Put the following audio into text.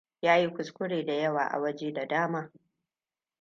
Ya yi kuskure da yawa a waje da dama.